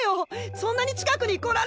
そんなに近くに来られる。